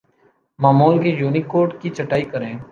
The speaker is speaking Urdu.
معمول کے یونیکوڈ کی چھٹائی کریں